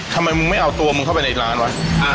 ทำไมมึงไม่เอาตัวมึงเข้าไปในร้านวะ